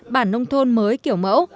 bản nông thôn mới kiểu mẫu